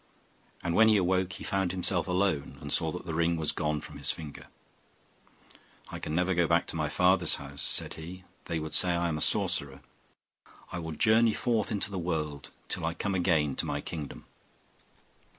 And when he awoke he found himself alone, and saw that the ring was gone from his finger. 'I can never go back to my father's house,' said he; 'they would say I am a sorcerer: I will journey forth into the world, till I come again to my kingdom.